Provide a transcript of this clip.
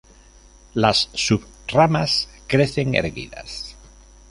Las sub-ramas crecen erguidas.